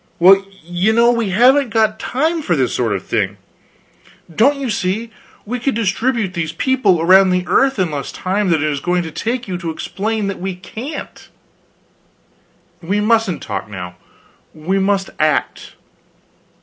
"Well, you know we haven't got time for this sort of thing. Don't you see, we could distribute these people around the earth in less time than it is going to take you to explain that we can't. We mustn't talk now, we must act.